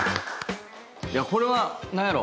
これは何やろ？